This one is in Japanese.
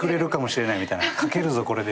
書けるぞこれで！